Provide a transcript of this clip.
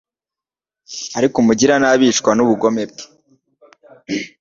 ariko umugiranabi yicwa n’ubugome bwe